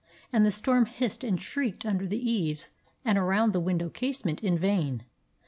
And the storm hissed and shrieked under the eaves and around the window casement in vain.